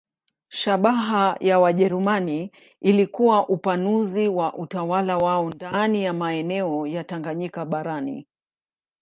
Shabaha ya Wajerumani ilikuwa upanuzi wa utawala wao ndani ya maeneo ya Tanganyika barani.